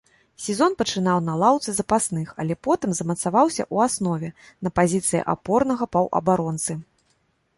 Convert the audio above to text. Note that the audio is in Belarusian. Сезон пачынаў на лаўцы запасных, але потым замацаваўся ў аснове на пазіцыі апорнага паўабаронцы.